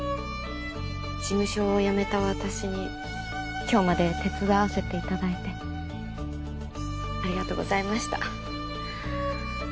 事務所を辞めた私に今日まで手伝わせていただいてありがとうございました。